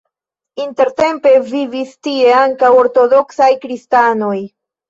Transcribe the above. Intertempe vivis tie ankaŭ ortodoksaj kristanoj.